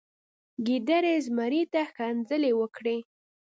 ګیدړې زمري ته ښکنځلې وکړې.